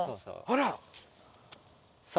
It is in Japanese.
あら！